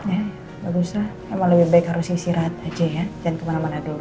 eh baguslah emang lebih baik harus istirahat aja ya jangan kemana mana dulu